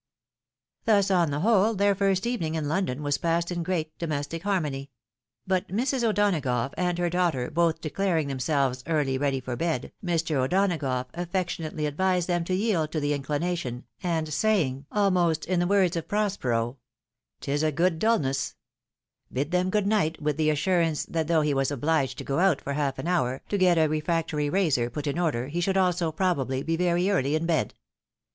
" Thus, on the whole, their first evening in London was passed in great domestic harmony ; but Mrs. O'Donagough and her daughter both declaring themselves early ready for bed, Mr. O'Donagough affectionately advised them to yield to the inclination, and saying, almost in the words of Prospero — 'Tia a good dulness, bid them good night, with the assurance that though he was obliged to go out for half an hour, to get a refractory razor put in order, he should also, probably, be very early in bed.